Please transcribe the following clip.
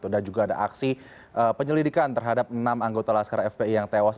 dan juga ada aksi penyelidikan terhadap enam anggota laskar fpi yang tewas